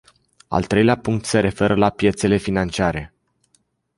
Al treilea punct se referă la piețele financiare.